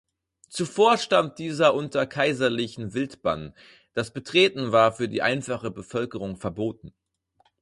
Zuvor stand dieser unter kaiserlichem Wildbann, das Betreten war für die einfache Bevölkerung verboten.